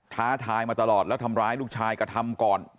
ท้าทายมาตลอดแล้วทำร้ายลูกชายกระทำก่อน